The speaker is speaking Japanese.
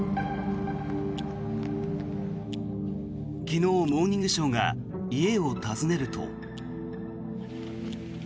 昨日、「モーニングショー」が家を訪ねると。